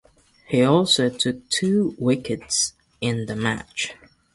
He also took two wickets in the match.